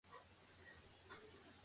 ეკლესიას ბანური გადახურვა აქვს.